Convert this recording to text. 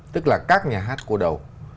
tức là các nhà hát cô đầu